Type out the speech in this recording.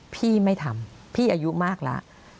พี่ไม่ทำพี่อายุมากแล้ว